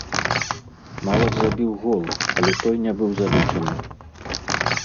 Нават забіў гол, але той не быў залічаны.